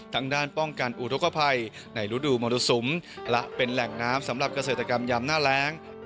ด้านป้องกันอุทธกภัยในฤดูมรสุมและเป็นแหล่งน้ำสำหรับเกษตรกรรมยามหน้าแรง